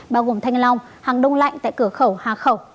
bao gồm thanh long hàng đông lạnh tại cửa khẩu hà khẩu